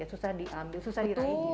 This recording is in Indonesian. susah diambil susah diraih